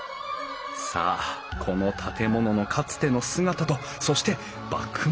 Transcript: さあこの建物のかつての姿とそして幕末の婚礼料理！